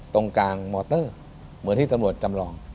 ตรงกลางมอเตอร์เหมือนที่ตำรวจจำลอง